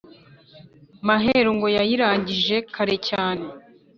Maheru ngo yayirangije kare cyane